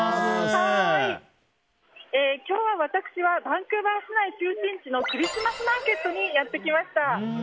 今日、私はバンクーバー市内中心地のクリスマスマーケットにやってきました。